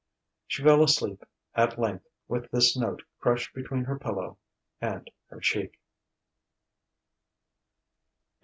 She fell asleep, at length, with this note crushed between her pillow and her cheek.